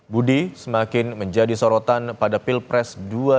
budi semakin menjadi sorotan pada pilpres dua ribu dua puluh empat